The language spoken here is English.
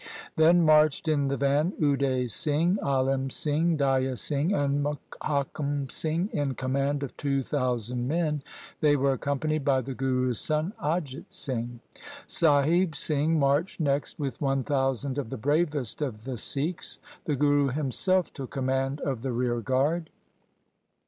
Then marched in the van Ude Singh, Alim Singh, Daya Singh, and Muhakam Singh in command of two thousand men. They were accompanied by the Guru's son Ajit Singh. Sahib Singh marched next with one thousand of the bravest of the Sikhs. The Guru himself took command of the rear guard.